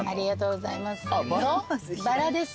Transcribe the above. バラです。